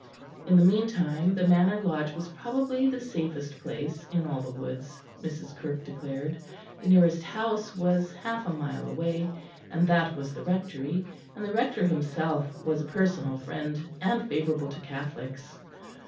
In the meantime the Manor Lodge was probably the safest place in all the woods, Mrs. Kirke declared; the nearest house was half a mile away, and that was the Rectory; and the Rector himself was a personal friend and favourable to Catholics.